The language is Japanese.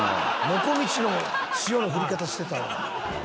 もこみちの塩の振り方してたわ。